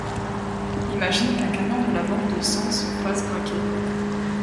Imagine qu'un camion de la banque du sang se fasse braquer.